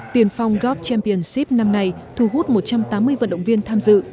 tiền phong golf championship năm nay thu hút một trăm tám mươi vận động viên tham dự